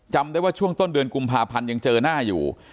จำได้ว่าช่วงต้นเดือนกุมภาพันธ์ยังเจอหน้าอยู่